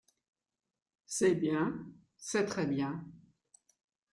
C’est bien… c’est très bien.